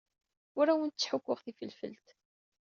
Ur awent-ttḥukkuɣ tifelfelt.